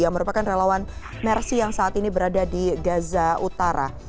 yang merupakan relawan mercy yang saat ini berada di gaza utara